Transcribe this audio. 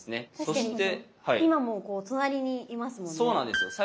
確かに今もこう隣にいますもんね。